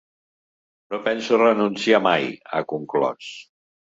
“No penso renunciar mai”, ha conclòs.